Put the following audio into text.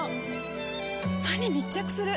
歯に密着する！